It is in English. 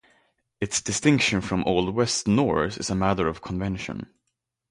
Its distinction from Old West Norse is a matter of convention.